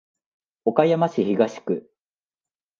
岡山市東区